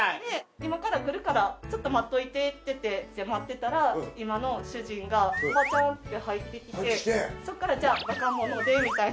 「今から来るからちょっと待っといて」って待ってたら今の主人がガチャって入ってきてそっから「じゃあ若者で」みたいな。